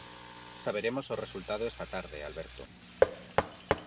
Saberemos o resultado esta tarde, Alberto...